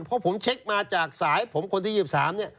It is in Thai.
เพราะผมเช็คมาจากสายผมคนที่๒๓เนี่ย